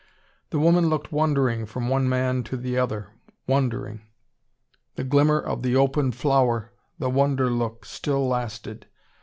The woman looked wondering from one man to the other wondering. The glimmer of the open flower, the wonder look, still lasted.